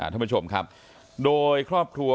ท่านผู้ชมครับโดยครอบครัว